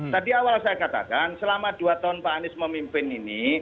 tadi awal saya katakan selama dua tahun pak anies memimpin ini